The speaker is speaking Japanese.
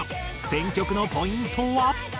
選曲のポイントは？